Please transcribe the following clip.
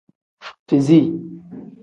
Fizi.